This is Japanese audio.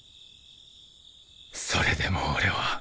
それでも俺は